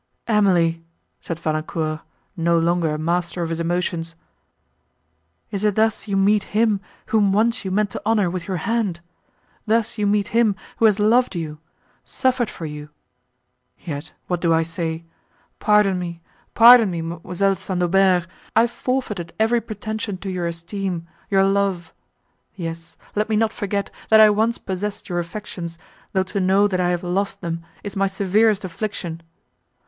"Emily," said Valancourt, no longer master of his emotions, "is it thus you meet him, whom once you meant to honour with your hand—thus you meet him, who has loved you—suffered for you?—Yet what do I say? Pardon me, pardon me, mademoiselle St. Aubert, I know not what I utter. I have no longer any claim upon your remembrance—I have forfeited every pretension to your esteem, your love. Yes! let me not forget, that I once possessed your affections, though to know that I have lost them, is my severest affliction.